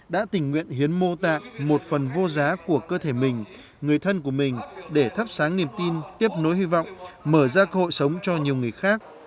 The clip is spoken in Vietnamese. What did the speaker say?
đã tình nguyện hiến mô tạng một phần vô giá của cơ thể mình người thân của mình để thắp sáng niềm tin tiếp nối hy vọng mở ra cơ hội sống cho nhiều người khác